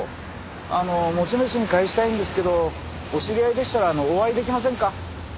あの持ち主に返したいんですけどお知り合いでしたらお会いできませんか？